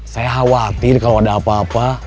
saya khawatir kalau ada apa apa